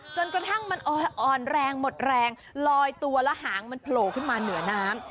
จนกระทั่งมันอ่อนแรงหมดแรงลอยตัวแล้วหางมันโผล่ขึ้นมาเหนือน้ำ